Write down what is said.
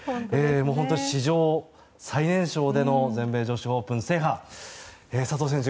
本当に史上最年少での全米女子オープン制覇笹生選手